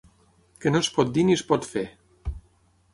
Que no es pot dir ni es pot fer.